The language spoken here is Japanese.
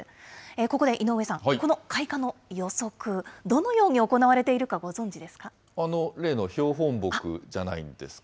ここで井上さん、この開花の予測、どのように行われているかご存じ例の標本木じゃないんですか。